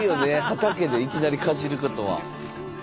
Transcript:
畑でいきなりかじることは。